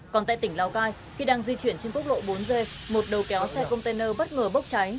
còn tại tỉnh lào cai khi đang di chuyển trên quốc lộ bốn g một đầu kéo xe container bất ngờ bốc cháy